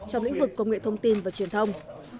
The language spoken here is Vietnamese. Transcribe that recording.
trong lĩnh vực công nghệ thông tin và truyền thông